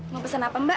mau pesen apa mbak